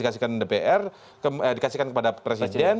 dikasihkan dpr dikasihkan kepada presiden